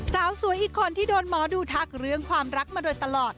สาวสวยอีกคนที่โดนหมอดูทักเรื่องความรักมาโดยตลอด